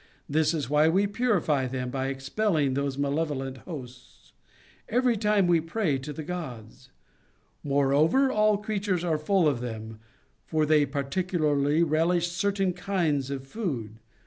This is why we purify them by expelling those malevolent hosts, every time we pray to the gods. Moreover, all creatures are full of them, for they particu larly relish certain kinds of food.